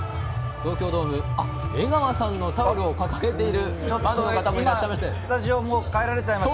東京ドーム、江川さんのタオルを掲げているファンの方もいます。